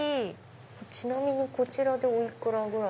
ちなみにこちらでお幾らぐらい？